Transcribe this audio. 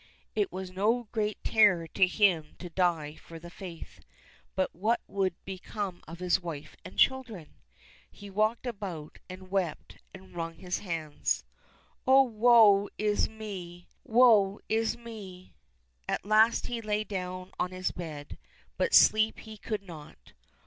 It was no great terror to him to die for the faith, but what would become of his wife and children ? He walked about, and wept, and wrung his hands :" Oh, woe is me ! woe is me !" At last he lay down on his bed, but sleep he could not.